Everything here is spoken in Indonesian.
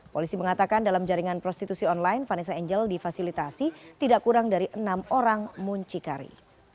polisi mengatakan dalam jaringan prostitusi online vanessa angel difasilitasi tidak kurang dari enam orang muncikari